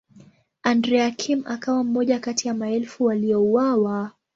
Andrea Kim akawa mmoja kati ya maelfu waliouawa.